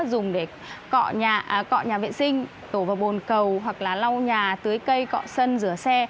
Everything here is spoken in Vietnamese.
dùng để cọ nhà vệ sinh tổ và bồn cầu hoặc là lau nhà tưới cây cọ sân rửa xe